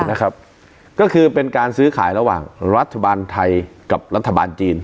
นะครับก็คือเป็นการซื้อขายระหว่างรัฐบาลไทยกับรัฐบาลจีน